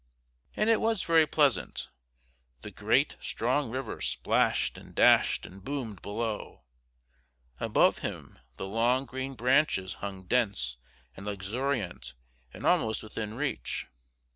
And it was very pleasant. The great, strong river splashed and dashed and boomed below; above him the long green branches hung dense and luxuriant and almost within reach.